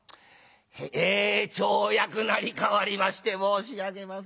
え町役成り代わりまして申し上げます。